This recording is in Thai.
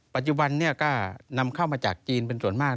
ปัจจุบันนี้ก็นำเข้ามาจากจีนเป็นส่วนมาก